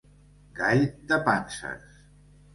Gall de panses.